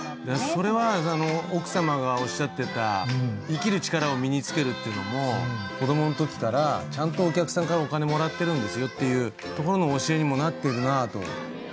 それは奥様がおっしゃってた生きる力を身につけるっていうのも子供の時からちゃんとお客さんからお金もらってるんですよっていうところの教えにもなっているなと。